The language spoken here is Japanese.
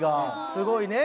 すごいね。